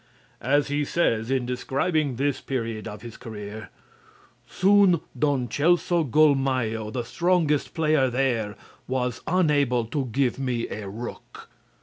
As he says in describing this period of his career, "Soon Don Celso Golmayo, the strongest player there, was unable to give me a rook."